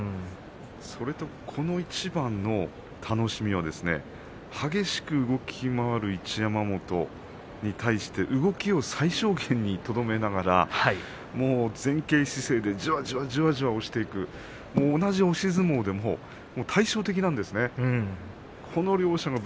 それと、この一番の楽しみは激しく動き回る一山本に対して動きを最小限にとどめながら前傾姿勢でじわじわ押していく同じ押し相撲でも対照的なんですね、この２人は。